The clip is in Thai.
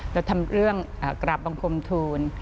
เราทำเรื่องกราบบังคมทูล